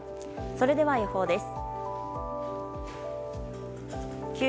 それでは予報です。